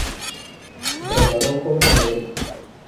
Se trasladó joven a Madrid.